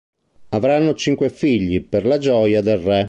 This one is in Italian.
Avranno cinque figli, per la gioia del Re.